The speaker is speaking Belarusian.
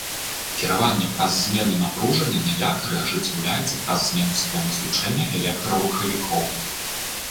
Кіраванне праз змену напружання на якары ажыццяўляецца праз змену схемы злучэння электрарухавікоў.